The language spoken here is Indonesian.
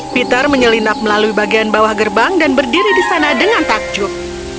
peter menyelinap melalui bagian bawah gerbang dan berdiri di sana dengan takjub